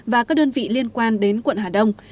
và các đơn vị liên quan đến quận hà đông